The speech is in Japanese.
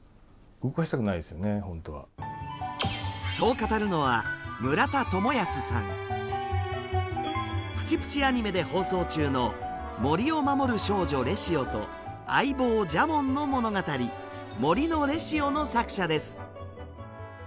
そう語るのは「プチプチ・アニメ」で放送中の森を守る少女レシオと相棒ジャモンの物語「森のレシオ」の作者です。